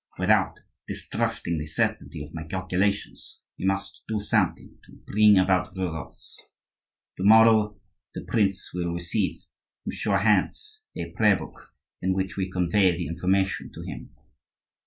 Without distrusting the certainty of my calculations, we must do something to bring about results. To morrow the prince will receive, from sure hands, a prayer book in which we convey the information to him.